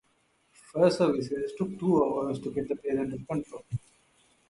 Fire services took two hours to get the blaze under control.